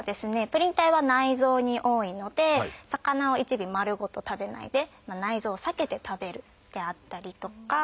プリン体は内臓に多いので魚を一尾丸ごと食べないで内臓を避けて食べるであったりとか。